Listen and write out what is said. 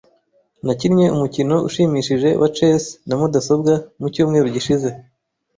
Nakinnye umukino ushimishije wa chess na mudasobwa mucyumweru gishize.